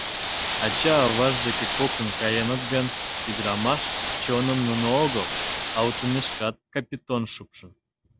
Ача-аваж деке коктын каеныт гын, ӱдырамаш чоным нуно огыл, а утымешкак Капитон шупшын.